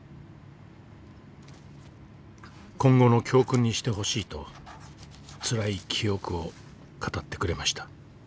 今後の教訓にしてほしいとつらい記憶を語ってくれました。